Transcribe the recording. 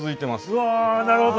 うわなるほど。